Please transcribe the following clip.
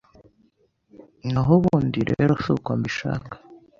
naho ubundi rero suko mbishaka